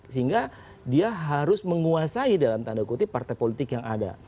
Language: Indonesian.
sehingga dia harus menguasai dalam tanda kutip partai politik yang ada